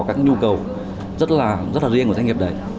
các nhu cầu rất là riêng của doanh nghiệp đấy